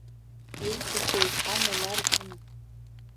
Иуҭаху иҳамам арбану.